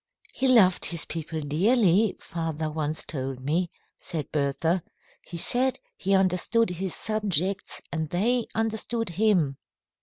"He loved his people dearly, father once told me," said Bertha. "He said he understood his subjects and they understood him."